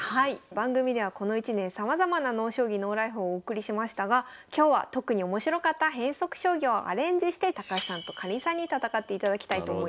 番組ではこの一年さまざまな「ＮＯ将棋ＮＯＬＩＦＥ」をお送りしましたが今日は特に面白かった変則将棋をアレンジして高橋さんとかりんさんに戦っていただきたいと思います。